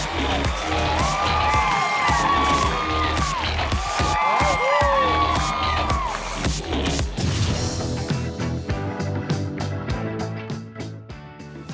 สวัสดีครับผมหลุยครับ